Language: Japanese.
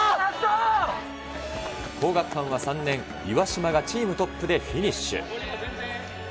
皇學館は３年、岩島がチームトップでフィニッシュ。